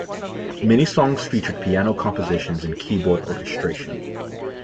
Many songs featured piano compositions and keyboard orchestration.